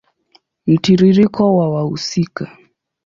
Mtiririko wa wahusika